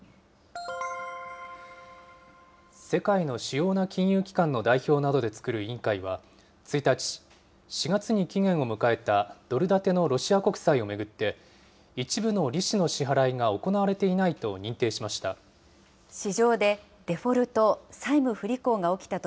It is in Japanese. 世界の主要な金融機関の代表などで作る委員会は、１日、４月に期限を迎えたドル建てのロシア国債を巡って、一部の利子の支払いが行われていないと認定しました。